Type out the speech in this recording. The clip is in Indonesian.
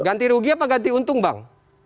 ganti rugi apa ganti untung bang